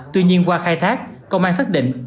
tuy nhiên qua khai thác công an xác định